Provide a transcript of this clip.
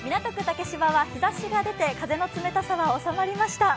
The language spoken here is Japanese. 竹芝は日ざしも出て、風の冷たさは収まりました。